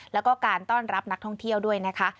แล้วก็การต้อนรับนักท่องเที่ยวด้วยนะคะ